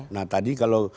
nah tadi kalau